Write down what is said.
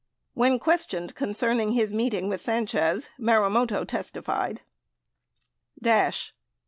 When questioned concerning his meeting with Sanchez, Marumoto testified : Dash.